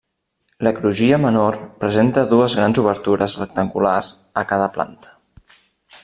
La crugia menor presenta dues grans obertures rectangulars a cada planta.